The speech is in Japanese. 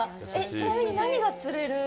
ちなみに何が釣れる。